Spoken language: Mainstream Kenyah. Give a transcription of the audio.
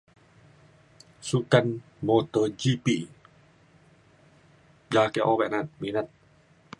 sukan moto GP ja ake obak na'at minat